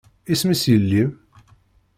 Isem-is yelli-m?